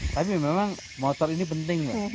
tapi memang motor ini penting ya